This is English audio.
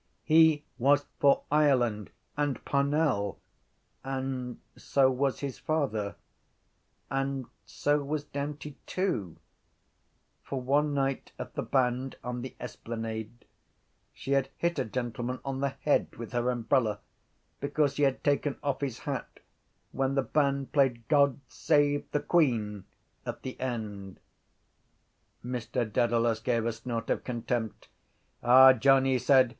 He was for Ireland and Parnell and so was his father: and so was Dante too for one night at the band on the esplanade she had hit a gentleman on the head with her umbrella because he had taken off his hat when the band played God save the Queen at the end. Mr Dedalus gave a snort of contempt. —Ah, John, he said.